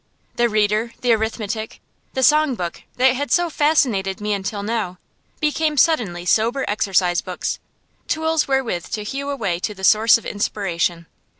The reader, the arithmetic, the song book, that had so fascinated me until now, became suddenly sober exercise books, tools wherewith to hew a way to the source of inspiration.